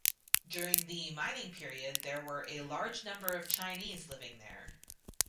During the mining period there were a large number of Chinese living there.